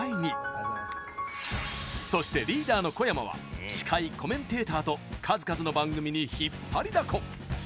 そして、リーダーの小山は司会、コメンテーターと数々の番組にひっぱりだこ。